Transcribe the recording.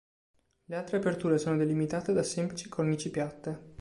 Le altre aperture sono delimitate da semplici cornici piatte.